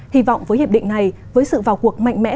hy vọng với hiệp định này với sự vào cuộc mạnh mẽ